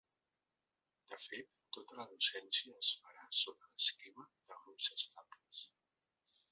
De fet, tota la docència es farà sota l’esquema de grups estables.